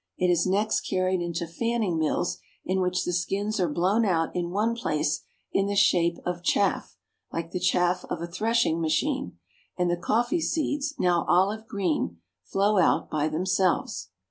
It is next carried into fanning mills, in which the skins are blown out in one place in the shape of chaff, like the chaff of a thrashing machine, and the coffee seeds, now olive green, flow out by themselves.